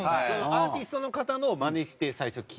アーティストの方のマネして最初着るわけ？